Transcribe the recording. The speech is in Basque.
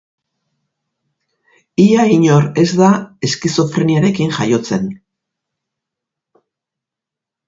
Ia inor ez da eskizofreniarekin jaiotzen.